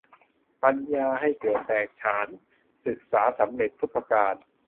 ปัญญาให้เกิดแตกฉาน ศึกษาสำเร็จทุกประการ